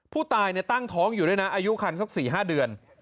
ผู้ตายตั้งท้องอยู่ด้วยนะอายุคันสัก๔๕เดือน